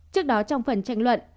trước đó trong phần tranh luận